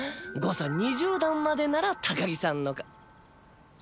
誤差２０段までなら高木さんの。